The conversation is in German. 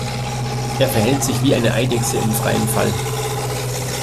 Er verhält sich wie eine Eidechse im freien Fall.